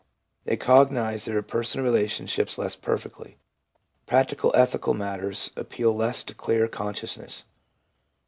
They cognise their personal relationships less perfectly. Practical ethical matters appeal less to clear consciousness.